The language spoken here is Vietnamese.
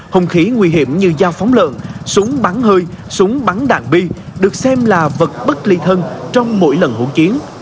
hùng khí nguy hiểm như dao phóng lợn súng bắn hơi súng bắn đạn bi được xem là vật bất ly thân trong mỗi lần hỗn chiến